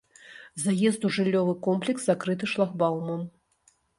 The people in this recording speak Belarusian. Заезд у жыллёвы комплекс закрыты шлагбаумам.